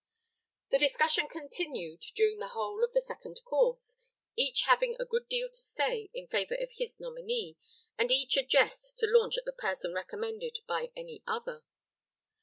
The discussion continued during the whole of the second course, each having a good deal to say in favor of his nominee, and each a jest to launch at the person recommended by any other.